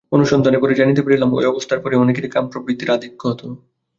অনুসন্ধানে পরে জানতে পেরেছিলাম, ঐ অবস্থার পরই অনেকের কাম-প্রবৃত্তির আধিক্য হত।